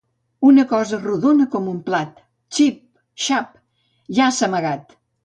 Una cosa, rodona com un plat. Xip-Xap!, ja s'ha amagat.